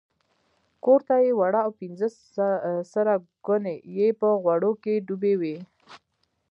کورته یې وړه او پنځه سره ګوني یې په غوړو کې ډوبې وې.